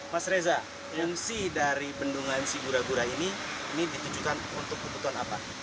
mas reza fungsi dari bendungan sigura gura ini ini ditujukan untuk kebutuhan apa